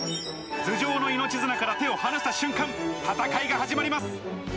頭上の命綱から手を離した瞬間戦いが始まります。